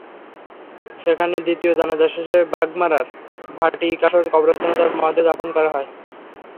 সেখানে দ্বিতীয় জানাজা শেষে বাঘমারার ভাটিকাশর কবরস্থানে তাঁর মরদেহ দাফন করা হয়।